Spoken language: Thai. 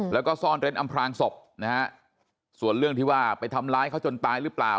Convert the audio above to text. แล้วก็ซ่อนเร้นอำพลางศพนะฮะส่วนเรื่องที่ว่าไปทำร้ายเขาจนตายหรือเปล่า